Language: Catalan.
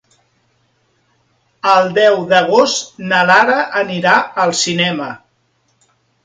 El deu d'agost na Lara anirà al cinema.